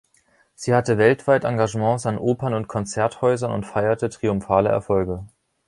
Sie hatte weltweit Engagements an Opern- und Konzerthäusern und feierte triumphale Erfolge.